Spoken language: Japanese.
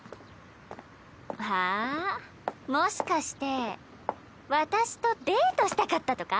ああもしかして私とデートしたかったとか？